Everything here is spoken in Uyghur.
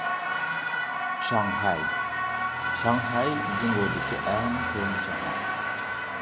شاڭخەي شاڭخەي جۇڭگودىكى ئەڭ چوڭ شەھەر.